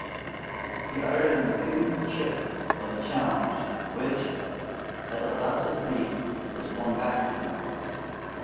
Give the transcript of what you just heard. He uttered an impudent "Chip" of challenge, which, as it left his beak, was flung back to him.